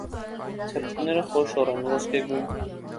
Թեփուկները խոշոր են, ոսկեգույն։